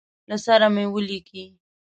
له سره مي ولیکی.